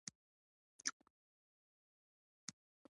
چیني غږ نه کاوه غلی و ډېر ارام.